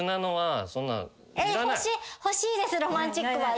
欲しいですロマンチックは。